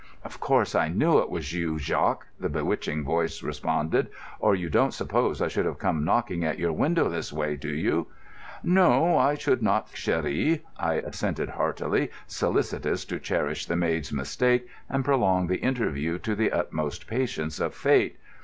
"Of course, I knew it was you, Jacques," the bewitching voice responded, "or you don't suppose I should have come knocking at your window this way, do you?" "No, I should think not, chérie," I assented heartily, solicitous to cherish the maid's mistake and prolong the interview to the utmost patience of Fate.